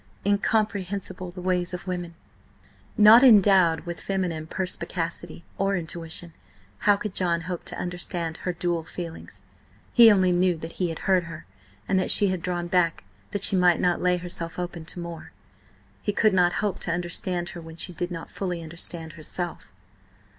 Incomprehensible the ways of women! Not endowed with feminine perspicacity or intuition, how could John hope to understand her dual feelings? He only knew that he had hurt her, and that she had drawn back that she might not lay herself open to more. He could not hope to understand her when she did not fully understand herself.